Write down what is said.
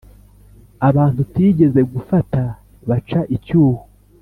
abantu utigeze gufata baca icyuho